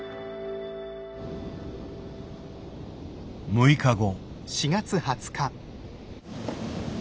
６日後。